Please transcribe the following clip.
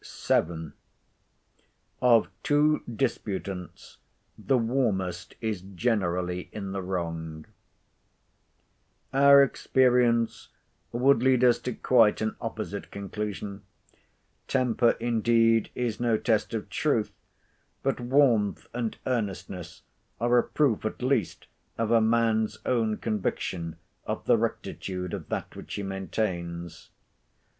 VII.—OF TWO DISPUTANTS, THE WARMEST IS GENERALLY IN THE WRONG Our experience would lead us to quite an opposite conclusion. Temper, indeed, is no test of truth; but warmth and earnestness are a proof at least of a man's own conviction of the rectitude of that which he maintains.